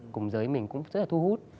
cùng giới mình cũng rất là thu hút